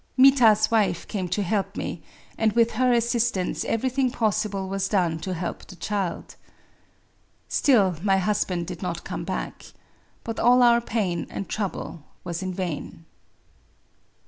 Mita's wife came to help me ; and with her assistance everything possible was done to help the child. •.• Still my husband did not come back. But all our pain and trouble was in vain.